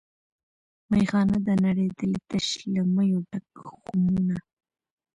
میخانه ده نړېدلې تش له میو ډک خُمونه